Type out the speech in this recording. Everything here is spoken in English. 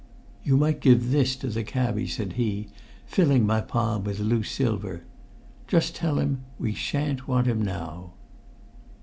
"You might give this to the cabby," said he, filling my palm with loose silver. "Just tell him we shan't want him now!"